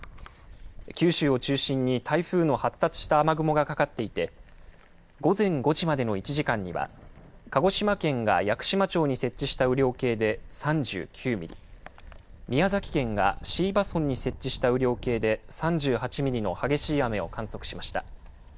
九州を中心に台風の発達した雨雲がかかっていて、午前５時までの１時間には、鹿児島県が屋久島町に設置した雨量計で３９ミリ、宮崎県が椎葉村に設置した雨量計で３８ミリの激しい雨を観測しました。